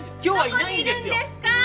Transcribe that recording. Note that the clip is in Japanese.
どこにいるんですか？